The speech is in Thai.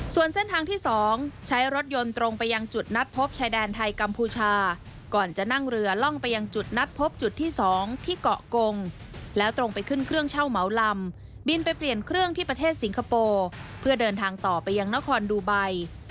ส่วนเส้นทางที่๒ใช้รถยนต์ตรงไปยังจุดนัดพบชายแดนไทยกัมพูชาก่อนจะนั่งเรือล่องไปยังจุดนัดพบจุดที่๒ที่เกาะกงแล้วตรงไปขึ้นเครื่องเช่าเหมาลำบินไปเปลี่ยนเครื่องที่ประเทศสิงคโปร์เพื่อเดินทางต่อไปยังนครดูไบ